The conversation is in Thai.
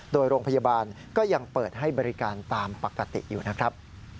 โดยโรงพยาบาลก็ยังเปิดให้บริการตามปกติอยู่นะครับ